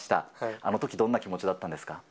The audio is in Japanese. あのときどんな気持ちだったんですか。